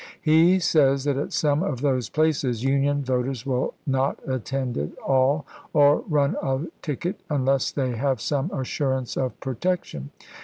He says that at some of those places Union voters will not attend at all, or run a ticket, unless they have some assurance of protection.